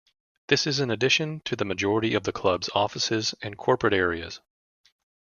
This is in addition to the majority of the club's offices and corporate areas.